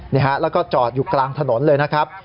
นี่ฮะแล้วก็จอดอยู่กลางถนนเลยนะครับ